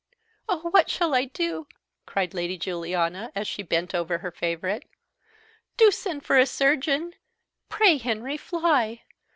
"Oh, what shall I do?" cried Lady Juliana, as she bent over her favourite. "Do send for a surgeon; pray, Henry, fly!